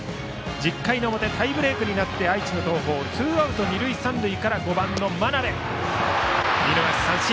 １０回の表タイブレークになって愛知の東邦はツーアウト二塁三塁から５番の眞邉見逃し三振。